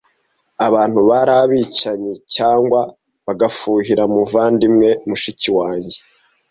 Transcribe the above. Abantu bari abicanyi cyangwa bagufuhira, muvandimwe, mushiki wanjye?